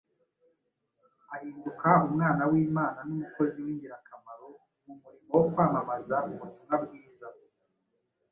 ahinduka umwana w’Imana n’umukozi w’ingirakamaro mu murimo wo kwamamaza ubutumwa bwiza.